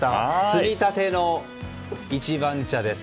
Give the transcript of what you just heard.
摘みたての一番茶です。